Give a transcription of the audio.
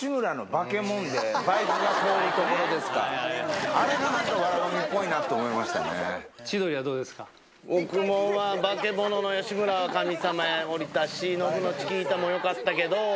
化け物の吉村は神様降りたしノブのチキータもよかったけど。